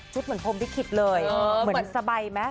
ชุดเหมือนผมพิกฤตเลยเออเหมือนสบายไหม